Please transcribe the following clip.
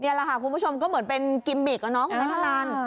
นี่แหละค่ะทุกประชมก็เหมือนเป็นกิมมิกน้องของแม่ทาลันต์